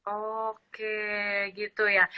oke gitu ya